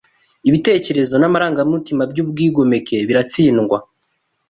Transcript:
Ibitekerezo n’amarangamutima by’ubwigomeke biratsindwa